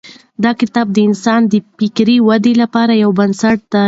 دا کتاب د انسان د فکري ودې لپاره یو بنسټ دی.